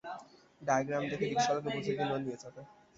Diagram দেখে রিকশাওয়ালাকে বুঝিয়ে দিন, ও নিয়ে যাবে।